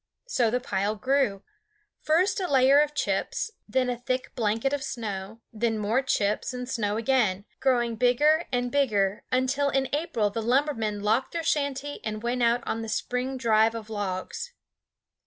So the pile grew, first a layer of chips, then a thick blanket of snow, then more chips and snow again, growing bigger and bigger until in April the lumbermen locked their shanty and went out on the spring drive of logs.